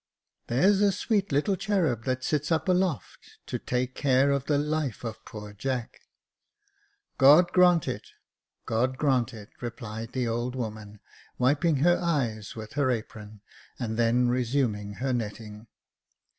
'•There's a sweet little cherub that sits up aloft, To take care of the life of poor Jack." " God grant it ! God grant it !" replied the old woman, wiping her eyes with her apron, and then resuming her netting.